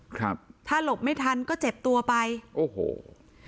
ครับถ้าหลบไม่ทันก็เจ็บตัวไปโอ้โห